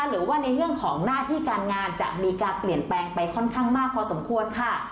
หรือว่าในเรื่องของหน้าที่การงานจะมีการเปลี่ยนแปลงไปค่อนข้างมากพอสมควรค่ะ